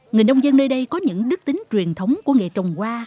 người nông dân nơi đây có những đức tính truyền thống của nghề trồng hoa